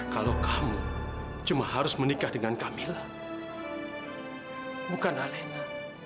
kalau kamu cuma harus menikah dengan kamila bukan alena